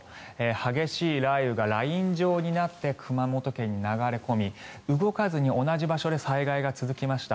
激しい雷雨がライン状になって熊本県に流れ込み動かずに同じ場所で災害が続きました。